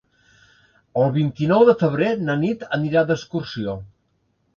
El vint-i-nou de febrer na Nit anirà d'excursió.